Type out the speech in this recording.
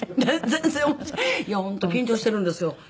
全然いや本当緊張してるんですよ。